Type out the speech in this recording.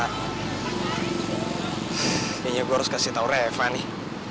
kayaknya gue harus kasih tau reva nih